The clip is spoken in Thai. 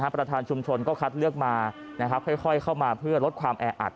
ประธานชุมชนก็คัดเลือกมาค่อยเข้ามาเพื่อลดความแออัด